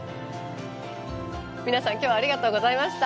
皆さん今日はありがとうございました。